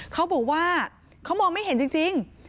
เขาบอกว่าเขามองไม่เห็นจริง